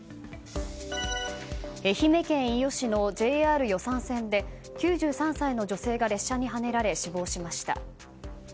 愛媛県伊予市のＪＲ予讃線で９３歳の女性が列車にはねられ死亡しました。